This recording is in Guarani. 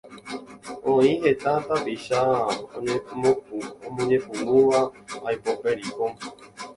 Oĩ heta tapicha omoñepyrũva aipo pericón